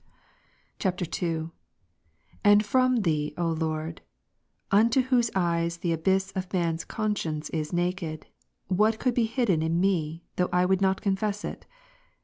Heb. 4, [IL] 2. And from Thee, O Lord, mito ivhose eyes the ^^' abyss of man's conscience is naked, what could be hidden in me though I would not confess it